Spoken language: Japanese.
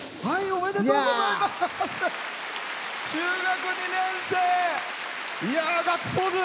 おめでとうございます。